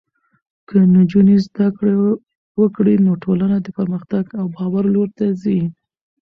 که نجونې زده کړه وکړي، نو ټولنه د پرمختګ او باور لور ته ځي.